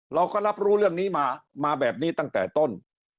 เราก็รับรู้เรื่องนี้มามาแบบนี้ตั้งแต่ต้น